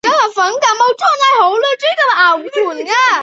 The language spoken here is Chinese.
斯廷是位于美国亚利桑那州尤马县的一个非建制地区。